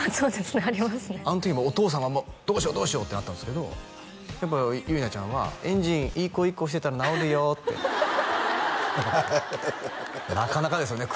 あの時もお父さんはどうしようどうしようってなったんですけどやっぱ結菜ちゃんは「エンジンいい子いい子してたら直るよ」ってなかなかですよね